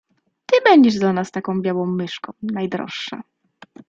"Ty będziesz dla nas taką białą myszką, najdroższa."